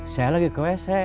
saya lagi ke wc